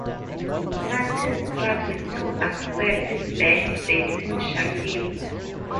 Martin struggles to accept Bex dating Shakil.